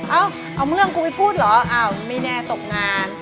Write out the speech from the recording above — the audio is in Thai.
เอาเอาเรื่องกูไปพูดเหรออ้าวไม่แน่ตกงาน